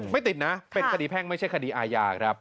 ไม่ติดนะเป็นคดีแพ่งไม่ใช่คดีอาญาครับ